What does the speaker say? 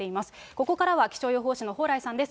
ここからは気象予報士の蓬莱さんです。